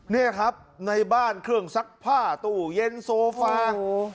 นี่ครับในบ้านเครื่องซักผ้าตู้เย็นโซฟา